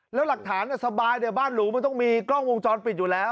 แล้วหลักฐานสบายเดี๋ยวบ้านหรูมันต้องมีกล้องวงจรปิดอยู่แล้ว